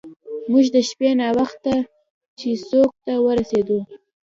موږ د شپې ناوخته چیسوک ته ورسیدو.